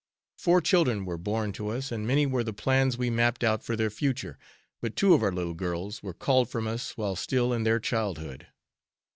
Four children were born to us, and many were the plans we mapped out for their future, but two of our little girls were called from us while still in their childhood.